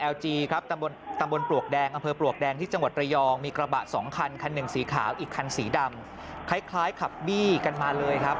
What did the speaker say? ตำบลตำบลปลวกแดงอำเภอปลวกแดงที่จังหวัดระยองมีกระบะสองคันคันหนึ่งสีขาวอีกคันสีดำคล้ายขับบี้กันมาเลยครับ